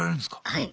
はい。